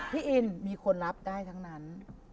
พี่อินนี่มีคนรับได้ทั้งนั้น